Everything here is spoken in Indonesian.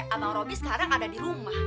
abang roby sekarang ada di rumah